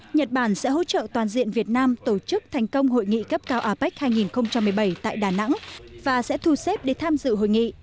nhật bản sẽ hỗ trợ toàn diện việt nam tổ chức thành công hội nghị cấp cao apec hai nghìn một mươi bảy tại đà nẵng và sẽ thu xếp để tham dự hội nghị